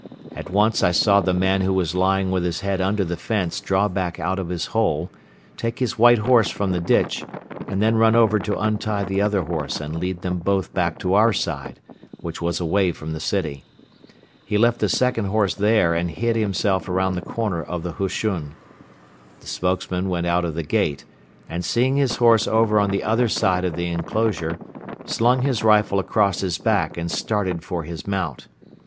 At once I saw the man who was lying with his head under the fence draw back out of his hole, take his white horse from the ditch and then run over to untie the other horse and lead them both back to our side, which was away from the city. He left the second horse there and hid himself around the corner of the hushun. The spokesman went out of the gate and, seeing his horse over on the other side of the enclosure, slung his rifle across his back and started for his mount.